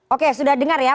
oke sudah dengar ya